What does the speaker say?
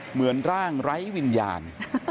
เหมือนร่างไร้วิญญาณ